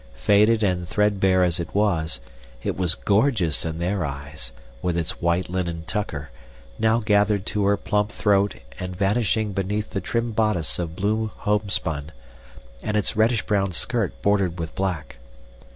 Faded and threadbare as it was, it was gorgeous in their eyes, with its white linen tucker, now gathered to her plump throat and vanishing beneath the trim bodice of blue homespun, and its reddish brown skirt bordered with black.